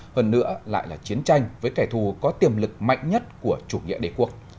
hơn nữa lại là chiến tranh với kẻ thù có tiềm lực mạnh nhất của chủ nghĩa đế quốc